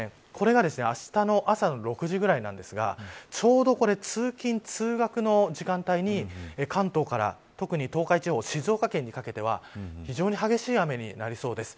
これがあしたの朝６時ぐらいなんですがちょうど通勤、通学の時間帯に関東から、特に東海地方静岡県にかけては非常に激しい雨になりそうです。